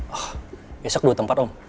oh besok dua tempat om